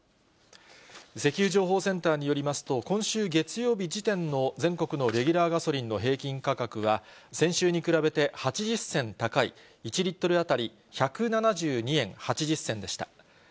石油情報センターによりますと、今週月曜日時点の全国のレギュラーガソリンの平均価格は、先週に比べて８０銭高い、１リットル当たり１７２円８０銭でした。